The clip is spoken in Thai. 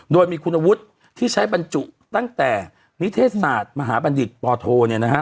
โดยมีคุณวุฒิที่ใช้บรรจุตั้งแต่มิเทศศาสตร์มหาบันดิสปตโท